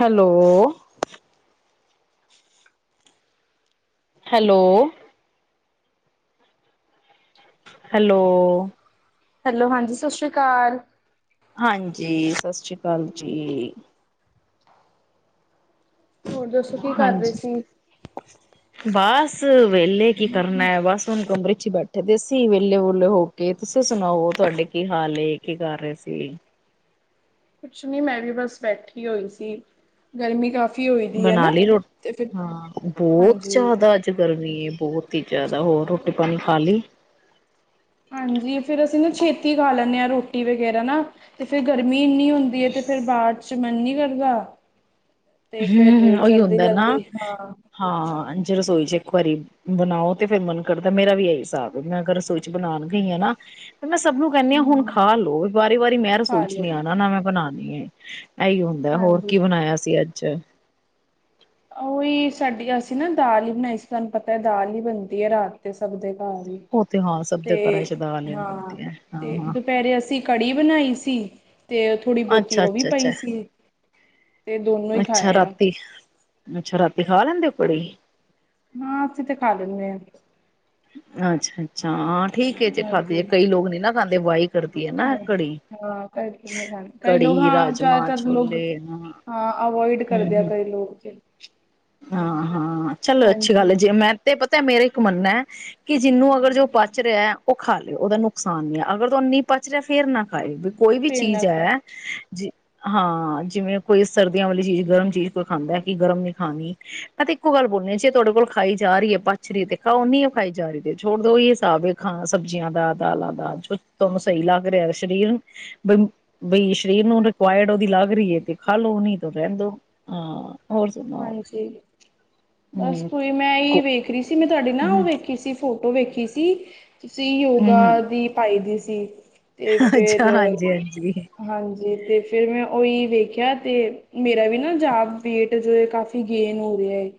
Hello hello hello. Hello, ਹਾਂਜੀ, ਸਤਿ ਸ੍ਰੀ ਅਕਾਲ। ਹਾਂਜੀ, ਸਤਿ ਸ੍ਰੀ ਅਕਾਲ ਜੀ। ਹੋਰ ਦੱਸੋ ਕੀ ਕਰ ਰਹੇ ਹਾਂਜੀ ਸੀ ਬਸ। ਬਸ ਵੇਲੇ ਕੀ ਕਰਨਾ ਏ ਬਸ ਹੁਣ ਕਮਰੇ ਹੀ ਬੈਠੇ। ਬੈਠੇ ਦੇ ਸੀ ਵਿਹਲੇ ਵੁਹਲੇ ਹੋ ਕੇ, ਤੁਸੀਂ ਸੁਣਾਓ ਤੁਹਾਡੇ ਕੀ ਹਾਲ ਏ ਕੀ ਕਰ ਰਹੇ ਸੀ? ਕੁਛ ਨੀ ਮੈਂ ਵੀ ਬਸ ਬੈਠੀ ਹੋਈ ਸੀ, ਗਰਮੀ ਕਾਫ਼ੀ। ਹੋਈ ਦੀ ਹੈ ਬਣਾ ਨਾ ਲਈ ਰੋਟੀ ਤੇ ਫਿਰ ਹਾਂ ਬਹੁਤ ਹਾਂਜੀ ਜ਼ਿਆਦਾ। 'ਚ ਗਰਮੀ ਹੈ ਬਹੁਤ ਹੀ ਜ਼ਿਆਦਾ ਹੋਰ ਰੋਟੀ ਪਾਣੀ ਖਾ ਲਈ? ਹਾਂਜੀ ਫੇਰ ਅਸੀਂ ਨਾ ਛੇਤੀ ਖਾ ਲੈਂਦੇ ਹਾਂ ਰੋਟੀ ਵਗੈਰਾ ਨਾ। ਤੇ ਫਿਰ ਗਰਮੀ ਇੰਨੀ ਹੁੰਦੀ ਹੈ ਤੇ ਫਿਰ ਬਾਅਦ ਵਿੱਚ ਮਨ ਨਹੀਂ ਕਰਦਾ। ਤੇ ਫੇਰ ਹੂੰ, ਉਹੀ ਹੁੰਦਾ ਨਾ ਜਲਦੀ-ਜਲਦੀ ਹਾਂ। ਹਾਂ ਜੇ ਰਸੋਈ ਚ ਇੱਕ ਵਾਰੀ ਬਣਾਓ ਤੇ ਫੇਰ ਮਨ ਕਰਦਾ ਮੇਰਾ ਵੀ ਇਹੀ ਹਿਸਾਬ ਮੈਂ ਅਗਰ ਰਸੋਈ। ਚ ਬਣਾਉਣ ਗਈ ਆ ਨਾ। ਤੇ ਮੈਂ ਸਭ ਨੂੰ ਕਹਿੰਦੀ ਹਾਂ ਹੁਣ ਹਮ ਖਾ ਲੋ ਵਾਰੀ-ਵਾਰੀ ਮੈਂ ਖਾ ਰਸੋਈ ਨੀ ਲਓ ਆਉਣਾ ਨਾ ਮੈਂ ਬਣਾਉਣੀ ਏ। ਇਹੀ ਹੁੰਦਾ, ਹੋਰ ਹਾਂਜੀ ਕੀ ਬਣਾਇਆ ਸੀ ਅੱਜ? ਉਹੀ ਸਾਡੀ ਅਸੀਂ ਨਾ ਦਾਲ ਹੀ ਬਣਾਈ ਸੀ ਤੁਹਾਨੂੰ ਪਤਾ ਹੈ ਦਾਲ ਹੀ ਬਣਦੀ ਹੈ ਰਾਤ ਤੇ ਸਭ ਦੇ ਘਰ। ਉਹ ਤੇ ਹਾਂ ਸਭ ਤੇ ਦੇ ਘਰਾਂ ਚ ਦਾਲ ਹਾਂ ਬਣਦੀਆਂ ਹਾਂ ਤੇ ਹਾਂ ਦੁਪਹਿਰੇ ਅਸੀਂ। ਕੜੀ ਬਣਾਈ ਸੀ ਤੇ। ਥੋੜ੍ਹੀ ਬਹੁਤੀ ਅੱਛਾ ਉਹ ਵੀ ਅੱਛਾ ਪਈ ਅੱਛਾ ਸੀ ਤੇ ਦੋਨੋ ਹੀ ਅੱਛਾ ਖਾਏ ਆ। ਰਾਤੀ ਅੱਛਾ ਰਾਤੀ ਖਾ ਲੈਂਦੇ ਹੋ ਕੜ੍ਹੀ? ਹਾਂ, ਅਸੀਂ ਤੇ ਖਾ ਲੈਣੇ ਆਂ। ਅੱਛਾ-ਅੱਛਾ, ਹਾਂ ਠੀਕ ਹੈ ਜੇ ਖਾਦੇ ਹਾਂਜੀ ਜੇ, ਕਈ ਲੋਕ ਨੀ ਨਾ ਖਾਂਦੇ ਵਾਈ ਕਰਦੀ ਹੈ ਨਾ ਏ ਖਾਏ ਕੜ੍ਹੀ। ਹਾਂ ਕਈ ਖਾ ਕਈ ਲੋਕ ਹਾਂ ਰਾਜਮਾਂ ਜ਼ਿਆਦਾਤਰ ਲੋਕ ਛੋਲੇ ਹਾਂ ਹਾਂ ਅਵੋਇਡ ਹਮ ਕਰਦੇ ਏ ਹਮ ਕਈ ਲੋਕ ਤੇ। ਹਾਂ-ਹਾਂ ਚਲੋ ਅੱਛੀ ਗੱਲ ਹਾਂਜੀ ਹੈ ਜੇ ਮੈਂ ਤੇ ਪਤਾ ਮੇਰਾ ਇੱਕ ਮੰਨਨਾ ਹੈ। ਕਿ ਜਿਹਨੂੰ ਅਗਰ ਜੋ ਪਚ ਰਿਹਾ ਉਹ ਖਾ ਲੇ ਉਹਦਾ ਨੁਕਸਾਨ ਨਹੀਂ ਹੈ। ਅਗਰ ਉਹ ਨਹੀਂ ਪਚ ਰਿਹਾ ਫੇਰ ਨਾ ਖਾਏ। ਕੋਈ ਵੀ ਫਿਰ ਨਾ ਚੀਜ਼ ਖਾਏ ਹੈ ਜੀ ਹਾਂ ਜਿਵੇਂ ਕੋਈ ਸਰਦੀਆਂ ਵਾਲੀ ਚੀਜ਼ ਗਰਮ ਚੀਜ਼ ਕੋਈ ਖਾਂਦਾ ਕਿ ਗਰਮ ਨਹੀਂ ਖਾਣੀ ਮੈਂ ਤੇ ਇੱਕੋ ਗੱਲ ਬੋਲਣੀ ਜੇ ਤੁਹਾਡੇ ਕੋਲ ਖਾਈ ਜਾ ਰਹੀ ਹੈ ਪਚ ਰਹੀ ਤੇ ਖਾਓ ਨੀ ਉਹ ਖਾਈ ਜਾ ਰਹੀ ਛੋੜ ਦੋ ਓਯੋ ਹਿਸਾਬ ਹੈ। ਖਾ ਸਬਜ਼ੀਆਂ ਦਾ ਦਾਲਾਂ ਦਾ ਜੋ ਤੁਹਾਨੂੰ ਸਹੀ ਲੱਗ ਰਿਹਾ ਸਰੀਰ ਬਈ-ਬਈ ਸਰੀਰ ਨੂੰ ਰਿਕੁਆਇਰਡ ਉਹਦੀ ਲੱਗ ਰਹੀ ਹੈ ਤੇ ਖਾਲੋੋ ਨੀ ਤਾਂ ਰਹਿੰਦੋ। ਹਾਂ ਹੋਰ ਸੁ ਹਾਂਜੀ ਬਸ ਕੋਈ ਮੈਂ ਹੀ ਵੇਖ ਰਹੀ ਸੀ ਮੈਂ ਤੁਹਾਡੀ ਨਾ ਉਹ ਹਮ ਵੇਖੀ ਸੀ ਫੋ ਉਹ ਵੇਖੀ ਸੀ ਤੁਸੀਂ ਯੋਗਾ ਹਮ ਦੀ ਪਾਈ ਦੀ ਸੀ। ਤੇ ਫਿਰ ਅੱਛਾ ਹਾਂਜੀ ਹਾਂਜੀ ਹਾਂਜੀ ਤੇ ਫਿਰ ਮੈਂ ਉਹੀ ਵੇਖਿਆ ਤੇ ਮੇਰਾ ਵੀ ਨਾ ਜਾਬ ਵੇਟ ਕਾਫੀ ਗੇਨ ਹੋ ਰਿਹਾ ਹੈ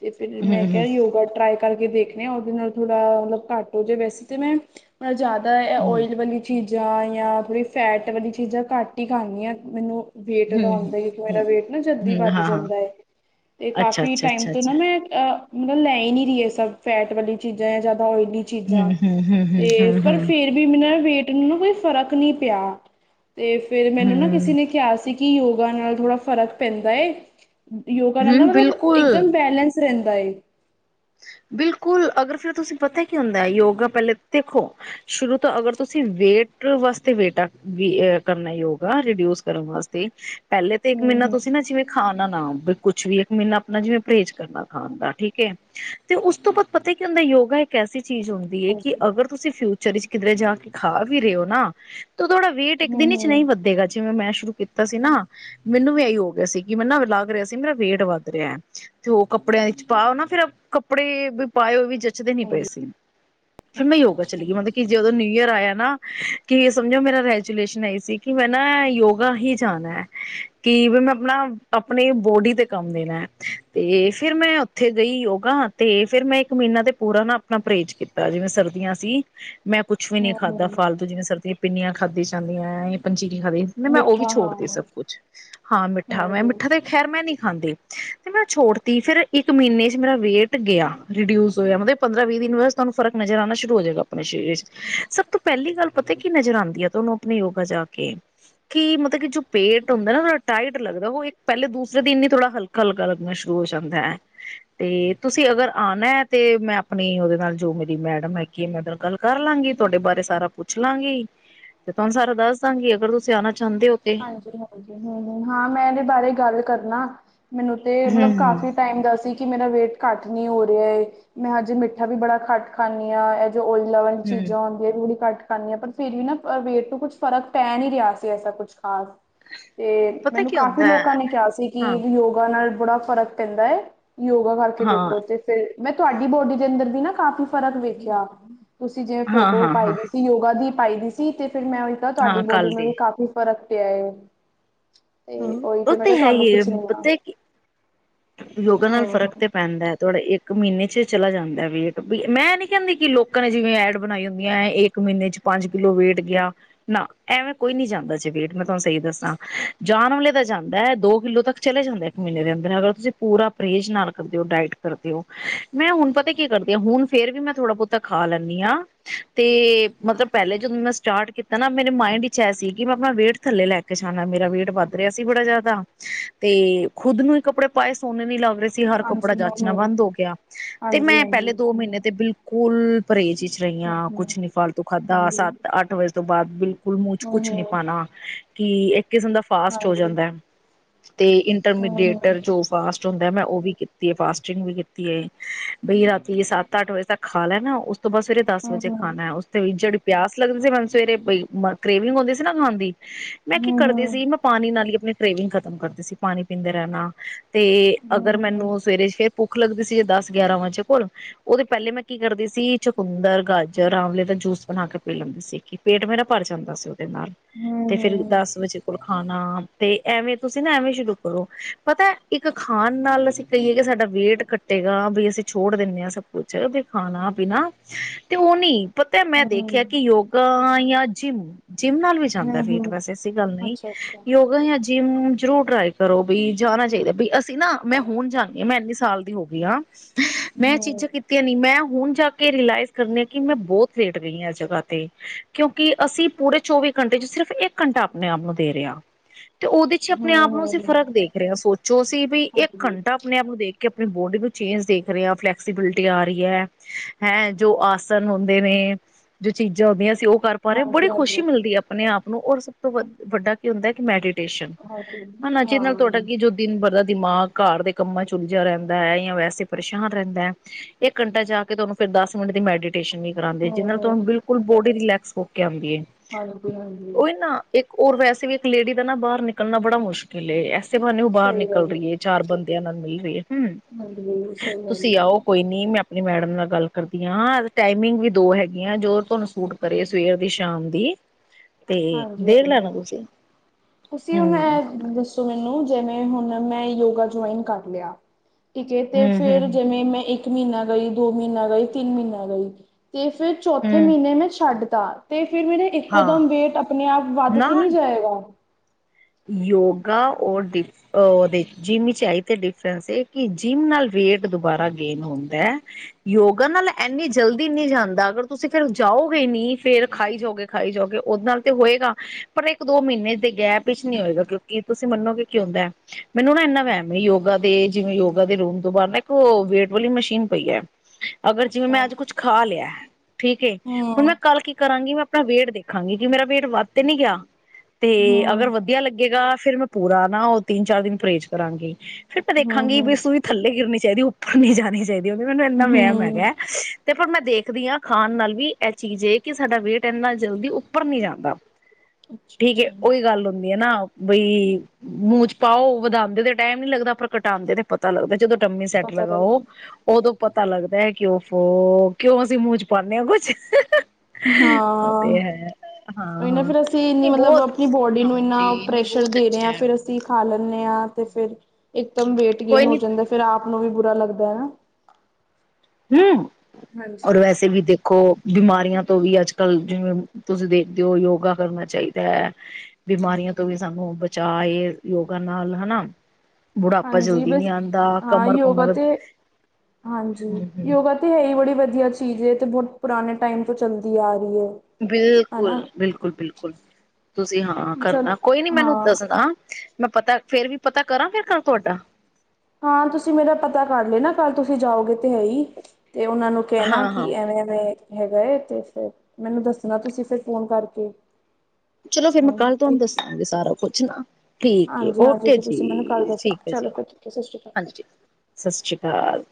ਤੇ ਫਿਰ ਹਮ ਮੈਂ ਕਿਹਾ ਹਮ ਯੋਗਾ ਟਰਾਈ ਕਰਕੇ ਦੇਖਣੇ ਆ ਉਹਦੇ ਨਾਲ ਥੋੜ੍ਹਾ ਮਤਲਬ ਘੱਟ ਹੋ ਜਾਵੇ ਵੈਸੇ ਤਾਂ ਮੈਂ ਮੈਂ ਜ਼ਿਆਦਾ ਹਮ ਓਇਲ ਵਾਲੀ ਚੀਜ਼ ਜਾਂ- ਜਾਂ ਥੋੜੀ ਫੈਟ ਵਾਲੀ ਚੀਜ਼ਾਂ ਘੱਟ ਹੀ ਖਾਨੀ ਆ ਮੈਨੂੰ ਵੇਟ ਦਾ ਹੁੰਦਾ ਹੈ ਮੇਰਾ ਹਮ ਵੇਟ ਨਾ ਜਲਦੀ ਹਮ ਹਾਂ ਵੱਧ ਜ ਹਾਂ ਜਾਂਦਾ ਹੈ ਤੇ ਅੱਛਾ ਕਾਫੀ ਅੱਛਾ ਟਾਈਮ ਅੱਛਾ ਤੋਂ ਨਾ ਅੱਛਾ ਮੈਂ ਮਤਲਬ ਲੈ ਹੀ ਨੀ ਰਹੀਏ ਸਭ ਫੈਟ ਵਾਲੀ ਚੀਜ਼ਾਂ ਜਾਂ ਜ਼ਿਆਦਾ ਓਇਲੀ ਚੀਜ਼ਾਂ ਹਮ ਹਮ ਹਮ ਤੇ ਹਮ ਪਰ ਹਮ ਫੇਰ ਵੀ ਮੇਰੇ ਵੇਟ ਨੂੰ ਨਾ ਕੋਈ ਫਰਕ ਨਹੀਂ ਪਿਆ ਤੇ ਫੇਰ ਮੈਨੂੰ ਨਾ ਕਿਸੇ ਹਮ ਨੇ ਕਿਹਾ ਸੀ। ਕਿ ਯੋਗਾ ਨਾਲ ਥੋੜਾ ਫ਼ਰਕ ਪੈਂਦਾ ਹੈਏ ਯੋਗਾ ਨਾਲ ਨਾ ਹਮ ਮਤਲਬ ਬਿਲਕੁਲ ਇੱਕਦਮ ਬੈਲੈਂਸ ਰਹਿੰਦਾ ਏ। ਬਿਲਕੁਲ ਅਗਰ ਫਿਰ ਤੁਸੀ ਪਤਾ ਕੀ ਹੁੰਦਾ ਹੈ ਯੋਗਾ ਪਹਿਲੇ ਦੇਖੋ ਸ਼ੁਰੂ ਤੋਂ ਅਗਰ ਤੁਸੀਂ ਵੇਟ ਵਾਸਤੇ ਵੇਟ ਵੀ ਕਰਨਾ ਯੋਗਾ ਰਿਡਿਊਸ ਕਰਨ ਵਾਸਤੇ ਤੇ ਪਹਿਲੇ ਤੇ ਇੱਕ ਹੂੰ ਮਹੀਨਾ ਹੂੰ ਤੁਸੀਂ ਨਾ ਜਿਵੇਂ ਖਾਣਾ ਨਾ ਕੁਛ ਵੀ ਇੱਕ ਮਹੀਨਾ ਆਪਣਾ ਜਿਵੇਂ ਪਰਹੇਜ਼ ਕਰਨਾ ਖਾਣ ਦਾ ਠੀਕ ਹੈ। ਤੇ ਉਸ ਤੋਂ ਬਾਅਦ ਪਤਾ ਕੀ ਹੁੰਦਾ ਯੋਗਾ ਇੱਕ ਐਸੀ ਚੀਜ਼ ਹੁੰਦੀ ਹੈ ਕਿ ਹਾਂਜੀ ਅਗਰ ਤੁਸੀਂ ਫਿਊਚਰ ਵਿੱਚ ਕਿਧਰੇ ਜਾ ਕੇ ਖਾ ਵੀ ਰਹੇ ਹੋ ਨਾ ਤੇ ਤੁਹਾਡਾ ਵੇਟ ਇੱਕ ਹੂੰ ਦਿਨ ਵਿਚ ਹੂੰ ਨਹੀਂ ਵੱਧੇਗਾ। ਜਿਵੇਂ ਮੈਂ ਸ਼ੁਰੂ ਕੀਤਾ ਸੀ ਨਾ ਮੈਨੂੰ ਵੀ ਇਹੀ ਹੋ ਗਿਆ ਸੀ ਕਿ ਮੈ ਨਾ ਲੱਗ ਰਿਹਾ ਸੀ ਮੇਰਾ ਵੇਟ ਵੱਧ ਰਿਹਾ। ਤੇ ਉਹ ਕੱਪੜਿਆਂ 'ਚ ਪਾਓ ਨਾ ਫਿਰ ਕੱਪੜੇ ਵੀ ਪਾਏ ਹੋ ਵੀ ਜੱਚਦੇ ਨੀ ਪਏ ਹਾਂਜੀ ਸੀ ਫਿਰ ਮੈਂ ਯੋਗਾ ਅੱਛਾ ਚਲੀ ਗਈ ਮਤਲਬ ਹੂੰ ਕਿ ਜਦੋਂ ਨਿਊ ਈਅਰ ਆਇਆ ਨਾ ਕਿ ਸਮਝੋ ਮੇਰਾ ਗ੍ਰੈਜੂਲੇਸ਼ਨ ਆ ਸੀ ਕਿ ਮੈਂ ਨਾ ਯੋਗਾ ਹੀ ਜਾਣਾ ਹੈ। ਕਿ ਵੀ ਮੈਂ ਆਪਣਾ ਆਪਣੇ ਬੋਡੀ ਤੇ ਕੰਮ ਦੇਣਾ ਹੈ ਤੇ ਫਿਰ ਮੈਂ ਉੱਥੇ ਗਈ ਯੋ ਤਾਂ ਤੇ ਫੇਰ ਮੈਂ ਇੱਕ ਮੀਨਾ ਤੇ ਪੂਰਾ ਨਾ ਆਪਣਾ ਪਰੇਜ਼ ਕੀਤਾ ਜਿਵੇਂ ਸਰਦੀਆਂ ਸੀ। ਮੈਂ ਕੁੱਛ ਵੀ ਨੀ ਖਾਦਾ ਹੂੰ ਫਾਲਤੂ ਜਿਵੇਂ ਸਰਦੀਆਂ ਪਿੰਨੀਆਂ ਖਾਧੀ ਜਾਂਦੀਐ ਪੰਜੀਰੀ ਖਾਧੀ ਨਈ ਮੈਂ ਓ ਵੀ ਮਿੱਠਾ ਹਾਂ ਛੋੜਦੀ ਸਭ ਹੂੰ ਕੁਛ ਹਾਂ ਮਿੱਠਾ ਮੈਂ ਹੂੰ ਮਿੱਠਾ ਤੇ ਖੈਰ ਮੈਂ ਨੀ ਖਾਂਦੀ ਤੇ ਮੈਂ ਛੋੜਤੀ ਫੇਰ ਇੱਕ ਮਹਿਨੇ 'ਚ ਮੇਰਾ ਵੇਟ ਗਿਆ ਰਡੇਊਸ ਹੋਇਆ ਮਤਲਬ ਪੰਦਰਾਂ ਵੀਹ ਦਿਨ ਬਾਦ ਤੁਹਾਨੂੰ ਫਰਕ ਨਜ਼ਰ ਆਣਾ ਸ਼ੁਰੂ ਹੋਜੇਗਾ। ਆਪਣੇ ਸਰੀਰ ਸਭ ਤੋਂ ਪਹਿਲੀ ਗੱਲ ਪਤਾ ਕੀ ਨਜ਼ਰ ਆਂਦੀ ਐ ਤੁਹਾਨੂੰ ਆਪਣੇ ਯੋਗਾ ਜਾ ਕੇ ਕੀ ਮਤਲਬ ਕੀ ਜੋ ਪੇਟ ਹੁੰਦਾ ਨਾ ਥੋੜਾ ਟਾਈਟ ਲੱਗਦਾ ਓ ਪਹਿਲੇ ਦੂਸਰੇ ਦਿਨ ਨੀ ਥੋੜਾ ਹਲ ਹਲਕਾ ਕਾ ਲੱਗਣਾ ਸ਼ੁਰੂ ਹੋ ਜਾਂਦਾ ਐ। ਤੇ ਤੁਸੀਂ ਅਗਰ ਆਣਾ ਤੇ ਮੈਂ ਆਪਣੀ ਓਦੇ ਨਾਲ ਜੋ ਮੇਰੀ ਮੈਡਮ ਹੈਗੀ ਏ ਮੈਂ ਉਦੇ ਨਾਲ ਗੱਲ ਕਰ ਲਾਂਗੀ ਤੁਹਾਡੇ ਬਾਰੇ ਸਾਰਾ ਪੁੱਛ ਲਾਂਗੀ ਤੇ ਤੁਹਾਨੂੰ ਸਾਰਾ ਦੱਸ ਦਾਂਗੀ ਅਗਰ ਤੁਸੀ ਆਣਾ ਚਾਂਦੇ ਓ। ਹਾਂਜੀ-ਹਾਂਜੀ ਹੂੰ-ਹੂੰ ਹਾਂ ਮੇਰੇ ਬਾਰੇ ਗੱਲ ਕਰਨਾ। ਮੈਨੂੰ ਤੇ ਹੂੰ ਮਤਲਬ ਕਾਫੀ ਟਾਈਮ ਦਾ ਸੀ। ਕੀ ਮੇਰਾ ਵੇਟ ਘੱਟ ਨੀ ਹੋ ਰਿਆ ਏ ਮੈਂ ਹਜੇ ਮਿੱਠਾ ਵੀ ਬੜਾ ਘੱਟ ਖਾਂਨੀ ਆ ਐ। ਜੋ ਓਇਲ ਵਾਲੀ ਹੂੰ ਹੂੰ ਚੀਜ਼ਾਂ ਹੁੰਦੀਆਂ ਵੀ ਘੱਟ ਖਾਣੀਆ ਪਰ ਫਿਰ ਵੀ ਨਾ ਵੇਟ ਤੋਂ ਕੁਛ ਫਰਕ ਪੈ ਨੀ ਰਿਹਾ ਸੀ। ਤੇ ਐਸਾ ਕੁੱਛ ਖਾਸ ਤੇ ਪਤਾ ਮੈਨੂੰ ਕੀ ਕਾਫੀ ਹੁੰਦਾ ਲੋਕਾਂ ਹੈ, ਨੇ ਕਿਆ ਸੀ ਕੀ ਹਾਂ ਵੀ ਯੋਗ ਗਾ ਨਾਲ ਬੜਾ ਫਰਕ ਪੈਂਦਾ ਏ ਯੋਗਾ ਕਰਕੇ ਹਾਂ ਦੇਖੋ ਤੇ ਤੇ ਮੈਂ ਤੁਹਾਡੀ ਬੋਡੀ ਦੇ ਅੰਦਰ ਵੀ ਨਾ ਕਾਫ਼ੀ ਫਰਕ ਵੇਖਿਆ। ਤੁਸੀਂ ਜਿਵੇਂ ਹਾਂ ਫੋਟੋ ਹਾਂ ਪਾਈ ਹਾਂ ਦੀ ਸੀ ਯੋਗਾ ਦੀ ਪਾਈ ਦੀ ਸੀ ਤੇ ਫਿਰ ਮੈਂ ਓਹੀ ਨਾ ਤੁਹਾਡੀ ਹਾਂ ਕੱਲ ਬੋਡੀ ਨੂੰ ਵੀ ਦੇ ਕਾ ਕੀ ਫਰਕ ਪਿਆ ਏ ਤੇ ਓਹੀ ਤੇ ਉਹ ਫੇਰ ਮੈਂ ਕਿਆ ਹੈ ਤੁਹਾਨੂੰ ਹੀ ਹੈ। ਪੁੱਛਣੀ ਆ। ਪਤਾ ਯੋਗਾ ਨਾਲ ਹੂੰ ਹੂੰ ਫ਼ਰਕ ਤੇ ਪੈਂਦੈ ਤੁਹਾਡਾ ਇੱਕ ਇੱਕ ਮੀਨੇ ਚ ਚਲਾ ਜਾਂਦੈ ਵੇਟ ਵੀ ਮੈਂ ਨੀ ਕੈਂਦੀ ਕੀ ਲੋਕਾਂ ਨੇ ਜਿਵੇਂ ਐਡ ਬਣਾਈ ਹੁੰਦੀਐ ਏ ਇੱਕ ਮੀਨੇ ਚ ਪੰਜ ਕਿਲੋ ਵੇਟ ਗਿਆ। ਨਾ ਐਵੇਂ ਕੋਈ ਨੀ ਜਾਂਦਾ ਜੀ ਵੇਟ ਮੈਂ ਤੁਹਾਨੂੰ ਸਈ ਦੱਸਾਂ ਜਾਣ ਵਾਲੇ ਦਾ ਜਾਂਦੈ ਦੋ ਕਿੱਲੋ ਤੱਕ ਚਲੇ ਜਾਂਦਾ। [unintelligible] ਤੁਸੀਂ ਪੂਰਾ ਪਰੇਜ਼ ਨਾਲ ਕਰਦੇ ਓ ਡਾਇਟ ਕਰਦੇ ਓ ਮੈਂ ਹੁਣ ਪਤਾ ਕੀ ਕਰਦੀ ਆ ਹੁਣ ਫੇਰ ਵੀ ਮੈਂ ਥੋੜਾ ਬੋਤ ਤਾਂ ਖਾ ਲਨੀ ਆਂ। ਤੇ ਮਤਲਬ ਪੈਲੇ ਜਦੋਂ ਮੈਂ ਸਟਾਰਟ ਕੀਤਾ ਨਾ ਮੇਰੇ ਮਾਇੰਡ ਵਿੱਚ ਐ ਸੀ ਕਿ ਮੈਂ ਆਪਣਾ ਵੇਟ ਥੱਲੇ ਲੈ [unintelligible] ਮੇਰਾ ਵੇਟ ਵੱਧ ਰਿਆ ਸੀ ਬੜਾ ਜਾਦਾ ਤੇ ਖੁੱਦ ਨੂੰ ਈ ਕੱਪੜੇ ਪਾਏ ਸੋਨੇ ਨੀ ਲੱਗ ਰੇ ਸੀ ਹਰ ਕੱਪੜਾ ਹਾਂਜੀ ਹੂੰ ਜਚਣਾ ਹੂੰ ਬੰਦ ਹੋ ਗਿਆ ਤੇ ਹਾਂਜੀ ਮੈਂ ਹਾਂਜੀ ਪੈਲੇ ਦੋ ਮੀਨੇ ਤੇ ਹੂੰ ਬਿਲ ਕੁੱਲ ਪਰੇਜ ਚ ਰਈ ਆਂ ਹੂੰ ਹੂੰ ਕੁੱਛ ਨੀ ਫਾਲਤੂ ਖਾਧਾ ਹਾਂਜੀ ਸੱਤ-ਅੱਠ ਵਜੇ ਤੋਂ ਬਾਦ ਬਿਲਕੁ [unintelligible] ਮੂੰਹ ਚ ਹੂੰ ਕੁੱਛ ਨੀ ਹੂੰ ਪਾਣਾ। ਕੀ ਇੱਕ ਕਿਸਮ ਦਾ ਫਾਸਟ ਹੋ ਹਾਂਜੀ ਜਾਂਦੈ ਤੇ ਹੂੰ ਇੰਟਰਮੀਡੀਏਟਰ ਜੋ ਫਾਸਟ ਹੁੰਦਾ ਮੈਂ ਓ ਵੀ ਕੀਤੀ ਐ ਫਾਸਟਿੰਗ ਵੀ ਕੀਤੀ ਏ ਬਈ ਰਾਤੀ ਸੱਤ-ਅੱਠ ਵਜੇ ਤੱਕ ਖਾ ਲੈਨਾ ਉਸ ਤੋਂ ਬਾਦ ਸਵੇਰੇ ਦਸ ਹੂੰ ਹੂੰ ਵਜੇ ਖਾਣਾ। ਤੇ ਜੇੜੀ ਪਿਆਸ ਲੱਗਦੀ ਸੀ ਮੈਨੂੰ ਸਵੇਰੇ ਬਈ ਮ ਕਰ੍ਰੇਵਿੰਗ ਹੁੰਦੀ ਸੀ ਨਾ ਖਾਣ ਦੀ ਮੈਂ ਕੀ ਹੂੰ ਹੂੰ ਕਰਦੀ ਸੀ ਮੈਂ ਪਾਣੀ ਨਾਲ ਈ ਆਪਣੀ ਕਰੇਵਿੰਗ ਖਤਮ ਕਰਦੀ ਸੀ ਪਾਣੀ ਪੀਂਦੇ ਰੈਣਾ ਤੇ ਹੂੰ ਹੂੰ ਅਗਰ ਮੈਨੂੰ ਸਵੇਰੇ ਫੇਰ ਭੁੱਖ ਲੱਗਦੀ ਸੀ ਜ ਦਸ ਗਿਆਰਾਂ ਵਜੇ ਕੋਲ ਓਦੇ ਪਹਿਲੇ ਮੈਂ ਕੀ ਕਰਦੀ ਸੀ ਚਕੁੰਦਰ, ਗਾਜਰ ਆਵਲੇ ਦਾ ਜੂਸ ਬਣਾ ਕੇ ਪੀ ਲੈਂਦੀ ਸੀ ਕੀ ਪੇਟ ਮੇਰਾ ਭਰ ਜਾਂਦਾ ਸੀ ਓਦੇ ਨਾਲ। ਹੂੰ-ਹੂੰ ਫਿਰ ਦਸ ਵਜੇ ਕੋਲ ਖਾਣਾ ਤੇ ਐਵੇਂ ਤੁਸੀਂ ਨਾ ਐਵੇਂ ਸ਼ੁਰੂ ਕਰੋ ਪਤਾ ਇੱਕ ਖਾਣ ਨਾਲ ਅਸੀਂ ਕਈਏ ਕੀ ਸਾਡਾ ਵੇਟ ਕੱਟੇਗਾ ਬਈ ਅਸੀਂ ਛੋੜ ਦਿੰਨੇ ਹਾਂ ਸ ਕੁੱਛ ਤੇ ਖਾਣਾ-ਪੀਣਾ ਤੇ ਓ ਨੀ। ਪਤਾ ਮੈਂ ਹੂੰ ਦੇਖਿਆ ਕਿ ਯੋਗਾ ਯਾਂ ਜਿੰਮ-ਜਿੰਮ ਨਾਲ ਵੀ ਜਾਂਦਾ ਹੂੰ ਵੇਟ ਹੂੰ ਵੈਸੇ ਐਸੀ ਗੱਲ ਨੀ ਅੱਛਾ ਅੱਛਾ ਯੋਗਾ ਜਾਂ ਜਿੰਮ ਜ਼ਰੂਰ ਟਰਾਈ ਕਰੋ ਵੀ ਜਾਣਾ ਚਾਈ ਬੀ ਅਸੀਂ ਨਾ ਮੈਂ ਹੁਣ ਜਾਨੀ ਆ ਮੈਂ ਐਨੀ ਸਾਲ ਦੀ ਹੋਗੀ ਆ ਮੈਂ ਐ ਹੂੰ ਚੀਜ਼ਾਂ ਕੀ ਤੀਆਂ ਨੀ ਮੈਂ ਹੁਣ ਜਾ ਕੇ ਰਿਲਾਈਜ਼ ਕਰਨੀ ਆ ਕਿ ਮੈਂ ਬੋਤ ਲੇਟ ਗਈ ਆ ਐ ਜਗ੍ਹਾ ਤੇ। ਕਿਉਂਕਿ ਅਸੀਂ ਪੂਰੇ ਚੌਵੀ ਘੰਟੇ ਚ ਸਿਰਫ ਇੱਕ ਘੰਟਾ ਆਪਣੇ ਆਪ ਨੂੰ ਦੇ ਰਿਆ। ਤੇ ਓਦੇ ਚ ਆਪਣੇ ਹੂੰ ਆਪ ਨੂੰ ਅਸੀਂ ਹੂੰ ਫ਼ਰਕ ਦੇਖ ਰੇ ਆ ਸੋਚੋ ਅਸੀ ਵੀ ਇੱਕ ਹਾਂਜੀ ਘੰਟਾ ਆਪਣੇ ਆਪ ਨੂੰ ਦੇਖ ਕੇ ਆਪਣੀ ਬੋਡੀ ਨੂੰ ਚੇਂਜ ਦੇਖ ਰੇ ਆਂ ਫਲੈਕਸੀਬਿਲਿਟੀ ਆਰੀ ਐ। ਹੈਂ ਜੋ ਆਸਨ ਹੁੰਦੇ ਨੇ ਜੋ ਚੀਜ਼ਾਂ ਹੁੰਦੀਆਂ ਅਸੀਂ ਓ ਕਰ ਪਾ ਰਿਆ ਹਾਂਜੀ ਬੜੀ ਖੁਸ਼ੀ ਹਾਂਜੀ ਮਿਲਦੀ [unintelligible] ਆਪਣੇ ਆਪ ਨੂੰ ਔਰ ਸਭ ਤੋਂ ਵ ਵੱਡਾ ਕੀ ਹੁੰਦਾ ਹੈ ਕਿ ਮੈਡੀਟੇਸ਼ਨ ਹਾਂਜੀ ਹਨ ਨਾ ਜਿ ਹਾਂ ਨਾਲ ਤੁਹਾਡਾ ਕਿ ਜ ਦਿਨ ਭਰ ਦਾ ਦਿਮਾਗ ਘਰ ਦੇ ਕੰਮਾਂ ਚ ਉਲਝਾ ਰਹਿੰਦਾ ਹੈ ਜਾਂ ਵੈਸੇ ਪਰੇਸ਼ਾਨ ਰਹਿੰਦਾ ਹੈ ਇੱਕ ਘੰਟਾ ਜਾ ਕੇ ਤੁਹਾਨੂੰ ਫੇਿਰ ਦਸ ਮਿੰਟ ਦੀ ਮੈਡੀ ਕਰਉਂ ਜਿਹ ਹੂੰ ਹੂੰ ਬਿਲੁਲ ਬੋਡੀਿਲੈਕਸ ਹੋ ਕੇ ਆਉਂਦੀ ਹੈ ਹਾਂਜੀ ਹਾਂਜੀ ਉਹੀ ਨਾ ਇੱਕ ਹੋਰ ਵੈਸੇ ਵੀ ਇੱਕ ਲੇਡੀ ਦਾ ਨਾ ਬਾਹਰ ਨਿਕਲਣਾ ਬੜਾ ਮੁਸ਼ਕਿਲ ਏ ਐਸੇ ਬਹਨੇ ਸਹੀ ਨਿਕਲ ਗੱਲ ਏ, ਰਹੀ ਹੈ ਚਾਰ ਬੰਦਿਆਂ ਨਾਲ ਮਿਲ ਰਹੀ ਹੈ ਹਮ ਹਾਂਜੀ ਸਹੀ ਗੱਲ ਤੁਸੀਂ ਏ, ਆਓ ਕੋਈ ਨਹੀਂ ਮੈਂ ਆਪਣੀ ਮੈਡਮ ਨਾਲ ਗੱਲ ਕਰਦੀ ਹਾਂ ਟਾਈਮਿੰਗ ਵੀ ਦੋ ਹੈਗੀਆਂ ਜੋ ਤੁਹਾਨੂੰ ਸੂਟ ਪਰ ਸਵੇਰ ਦੀ ਸ਼ਾਮ ਦੀ ਤੇ ਹਾਂਜੀ ਦੇਖ ਹਾਂਜੀ ਲੈਣਾ ਤੁਸੀਂ ਤੁਸੀਂ ਹੂੰ ਹੁਣ ਦੱਸੋ ਮੈਨੂੰ ਜਿਵੇਂ ਹੁਣ ਮੈਂ ਯੋਗਾ ਜੁਆਇਨ ਕਰ ਲਿਆ ਠੀਕ ਹੈ ਤੇ ਹੂੰ ਹੂੰ ਫੇਿਰ ਜਿਵੇਂ ਮੈਂ ਇੱਕ ਮਹੀਨਾ ਗਈ ਦੋ ਮਹੀਨਾ ਗਈ ਤਿੰਨ ਮਹੀਨਾ ਗਈ ਤੇ ਫੇਰ ਚੌਥੇ ਹੂੰ ਮਹੀਨੇ ਮੈਂ ਛੱਡ ਤਾ, ਤੇ ਫਿਰ ਮੇਰੇ ਹਾਂ ਇੱਕਦਮ ਵੇਟ ਆਪਣੇ ਆਪ ਵੱਧ ਤੇ ਨਾ ਨੀ ਜਾਏਗਾ ਯੋਗਾ ਔਰ ਡ ਦੇ ਜਿੰਮ ਵਿਚ ਆ ਤੇ ਡਿਫਰੈਂਸ ਕਿ ਜਿੰਮ ਨਾਲ ਵੇਟ ਦੁਬਾਰਾ ਗੇਨ ਹੁੰਦਾ ਹੈ ਯੋਗਾ ਨਾਲ ਐੰਨੀ ਜਲਦੀ ਨਹੀਂ ਜਾਂਦਾ ਅਗਰ ਤੁਸੀਂ ਫਰ ਜਾਓਗੇ ਨੀ ਫੇਰ ਖਾਈ ਜਾਓਗੇ ਖਾਈ ਜਾਓਗੇ ਉਹਦੇ ਨਾਲ ਤੇ ਹੋਏਗਾ ਪਰ ਇੱਕ ਦੋ ਮਹੀਨੇ ਦੇ ਗੈਪ ਪਛ ਨੀ ਹੋਏਗਾ ਕਿਉਂਕਿ ਤੁਸੀਂ ਮੰਨੋ ਕਿ ਕਿ ਹੁੰਦਾ ਹੈ ਮੈਨੂੰ ਨਾ ਇਨਾ ਵਹਿਮ ਏ, ਯੋਗਾ ਦੇ, ਜਿਵੇਂ ਯੋਗਾ ਦੇ ਰੂਮ ਤੋਂ ਬਾਹਰ ਨਾ, ਇੱਕ ਵੇਟ ਵਾਲੀ ਮਸ਼ੀਨ ਪਈ ਐ [inaudible] ਅਗਰ ਜਿਵੇਂ ਮੈਂ ਅੱਜ ਕੁੱਛ ਖਾਲਿਆ ਠੀਕ ਏ, ਹੁਣ ਹੂੰ, ਮੈਂ ਕੱਲ ਕੀ ਕਰਾਂਗੀ ਮੈਂ ਆਪਣਾ ਵੇਟ ਦੇਖਾਂਗੀ ਕਿ ਮੇਰਾ ਵੇਟ ਵੱਧ ਤੇ ਨੀ ਗਿਆ, ਤੇ ਅਗਰ ਹੂੰ, ਵਧੀਆ ਲੱਗੇਗਾ ਫਿਰ ਮੈਂ ਪੂਰਾ ਨਾ, ਉਹ ਤਿੰਨ-ਚਾਰ ਦਿਨ ਪਰਹੇਜ਼ ਕਰਾਂਗੀ, ਫੇਰ ਮੈਂ ਦੇਖਾਂਗੀ ਹੂੰ, ਵੀ ਸੂ ਥੱਲੇ ਗਿਰਨੀ ਚਾਹੀਦੀ, ਉੱਪਰ ਨਹੀਂ ਜਾਣੀ ਚਾਹੀਦੀ। ਉਹਦੀ ਮੈਨੂੰ ਇੰਨਾ ਹੂੰ, ਵਹਿਮ ਹੂੰ। ਹੈਗਾ, ਤੇ ਪਰ ਮੈਂ ਦੇਖਦੀ ਹਾਂ ਖਾਣ ਨਾਲ ਵੀ ਐ ਚੀਜ਼ ਏ, ਕਿ ਸਾਡਾ ਵੇਟ ਇੰਨਾ ਜਲਦੀ ਉੱਪਰ ਨਹੀਂ ਜਾਂਦਾ। [inaudible] ਠੀਕ ਏ, ਅੱਛਾ, ਉਹੀ ਗੱਲ ਹ ਨਾ, ਬਈ, ਮੂੰਹ'ਚ ਪਾਓ ਵਧਾਂਦੇ ਦਾ ਟਾਈਮ ਨੀ ਲੱਗਦਾ, ਪਰ ਘਟਾਂਦੇ ਤੇ ਪਤਾ ਲੱਗਦਾ, ਜਦੋਂ ਟਮੀ ਸੈੱਟ ਪਤਾ ਲੱਗ ਲਗਾਓ ਓਦੋਂ ਪਤਾ ਲੱਗਦਾ ਹੈ, ਕਿ ਉਹ ਹੋ, ਕਿਉਂ ਅਸੀਂ ਮੂੰਹ'ਚ ਪਾਂਨੇ ਹਾਂ, ਕੁਛ। ਉਹ ਹਾਂ। ਤੇ ਹੈ, ਹਾਂ-ਹਾਂ, ਇਹ ਬਹੁਤ ਡੀ ਨੂੰ ਇੰਨਾ ਹਾਂਜੀ ਨਹੀਂ ਪ੍ਰੈਸ਼ਰ ਬਹੁਤ ਦੇ ਰਹੇ ਅੱਛਾ ਆਂ, ਹੈ ਫਿਰ ਅਸੀਂ ਖਾ ਲੈਂਨੇ ਆਂ, ਤੇ ਫਿਰ ਇੱਕਦਮ ਵੇਟ ਕੋਈ ਗੇਨ ਹੋ ਨੀ ਜਾਂਦਾ, ਫਿਰ ਆਪ ਨੂੰ ਵੀ ਬੁਰਾ ਲੱਗਦਾ, ਹਨਾ। ਹੂੰ, ਔਰ ਵੈਸੇ ਵੀ ਦੇਖੋ ਬਿਮਾਰੀਆਂ ਤੋਂ ਵੀ ਅੱਜ-ਕੱਲ, ਜਿਵੇਂ ਤੁਸੀਂ ਦੇਖਦੇ ਹੋ ਯੋਗਾ ਕਰਨਾ ਚਾਹੀਦੈ ਬਿਮਾਰੀਆਂ ਤੋਂ ਵੀ ਸਾਨੂੰ ਬਚਾਅ ਏ, ਯੋਗਾ ਨਾਲ ਹਨਾ। ਬੁਢਾਪਾ ਹਾਂਜੀ ਜਲਦੀ ਨੀ ਬਸ ਆਂਦਾ, ਹਾਂ ਯੋਗਾ ਕਮਰ-ਕੁਮਰ ਤੇ ਹਾਂਜੀ, ਯੋਗਾ ਤੇ ਹੈਹੀ ਬੜੀ ਵਧੀਆ ਚੀਜ਼ ਏ, ਤੇ ਬਹੁਤ ਪੁਰਾਣੇ ਟਾਈਮ ਤੋਂ ਚੱਲਦੀ ਆ ਰਹੀ ਏ। ਬਿੱਲਕੁਲ-ਬਿਲਕੁਲ, ਬਿਲਕੁਲ। ਤੁਸੀਂ ਹਾਂ ਚਲ ਕਰਨਾ, ਕੋਈ ਨੀ ਮੈਨੂੰ ਹਾਂ ਦੱਸਣਾ ਮੈਂ ਪਤਾ, ਫੇਰ ਵੀ ਪਤਾ ਕਰਾਂ ਫਿਰ ਤੁਹਾਡਾ? ਹਾਂ, ਤੁਸੀਂ ਮੇਰਾ ਪਤਾ ਕਰਲੇਨਾ ਕੱਲ ਤੁਸੀਂ ਜਾਓਗੇ ਤੇ ਹੈਹੀ, ਤੇ ਉਹਨਾਂ ਨੂੰ ਹਾਂ ਕਹਿਣਾ ਹਾਂ ਕਿ ਐਵੇਂ-ਐਵੇਂ ਹੈਗਾ ਏ, ਤੇ ਫਿਰ ਮੈਨੂੰ ਦੱਸਣਾ ਤੁਸੀਂ ਫਿਰ ਫੋਨ ਕਰਕੇ। ਚਲੋ, ਫਿਰ ਮੈਂ ਹਾਂਜੀ ਕੱਲ ਤੁਹਾਨੂੰ ਠੀਕ ਦੱਸਾਂਗੀ ਸਾਰਾ ਕੁਛ ਨਾ। ਠੀਕ ਏ, ਹਾਂਜੀ ਹਾਂਜੀ ਫਿਰ ਤੁਸੀਂ ਮੈਨੂੰ ਕੱਲ ਓਕੇ-ਜੀ, ਦੱਸਣਾ ਠੀਕ ਹੈ ਜੀ, ਚਲੋ ਫਿਰ ਠੀਕ ਹੈ ਸਤਿ ਸ਼੍ਰੀ ਅਕਾਲ ਹਾਂਜੀ। ਸਤਿ ਸ਼੍ਰੀ ਅਕਾਲ।